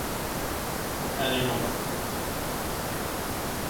¡Era inocua!